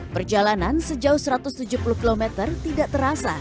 perjalanan sejauh satu ratus tujuh puluh km tidak terasa